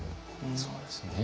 そうですよね。